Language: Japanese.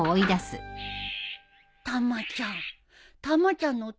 たまちゃん。